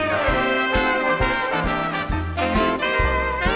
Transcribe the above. สวัสดีครับสวัสดีครับ